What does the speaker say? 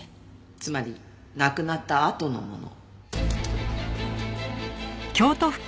つまり亡くなったあとのもの。